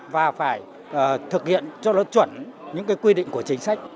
và phải thực hiện cho nó chuẩn những cái quy định của chính sách